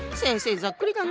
ざっくりだなぁ。